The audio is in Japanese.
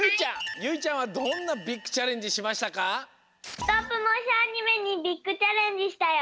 ストップモーションアニメにビッグチャレンジしたよ。